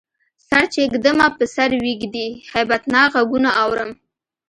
سر چی ږدمه په سر ویږدی، هیبتناک غږونه اورم